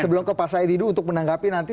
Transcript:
sebelum ke pak said didu untuk menanggapi nanti